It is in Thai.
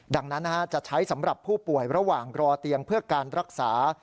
ดังนั้นจะใช้สำหรับผู้ป่วยระหว่างรอเตียงเพื่อการรักษา